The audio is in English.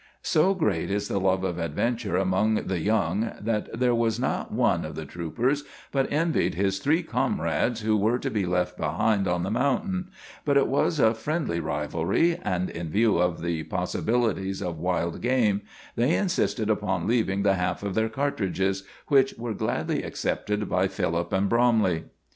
So great is the love of adventure among the young that there was not one of the troopers but envied his three comrades who were to be left behind on the mountain; but it was a friendly rivalry, and, in view of the possibilities of wild game, they insisted upon leaving the half of their cartridges, which were gladly accepted by Philip and Bromley.